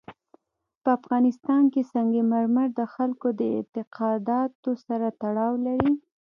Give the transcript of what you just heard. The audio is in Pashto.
په افغانستان کې سنگ مرمر د خلکو د اعتقاداتو سره تړاو لري.